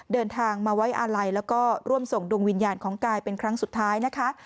เดินทางมาไว้อาลัยแล้วก็ร่วมส่งดวงวิญญาณของกายเป็นครั้งสุดท้ายนะคะ